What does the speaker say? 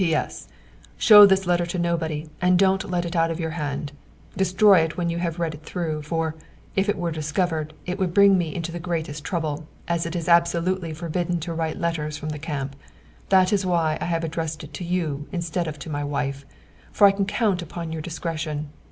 "P.S. Show this letter to nobody, and don't let it out of your hand. Destroy it when you have read it through, for, if it were discovered, it would bring me into the greatest trouble, as it is absolutely forbidden to write letters from the camp. That is why I have addressed it to you instead of to my wife, for I can count upon your discretion.